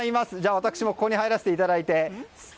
私も入らせていただいて。